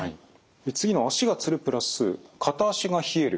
次の足がつる＋片足が冷える